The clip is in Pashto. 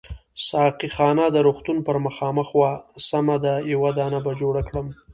ساقي خانه د روغتون پر مخامخ وه، سمه ده یو دانه به جوړ کړم.